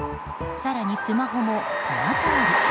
更に、スマホもこのとおり。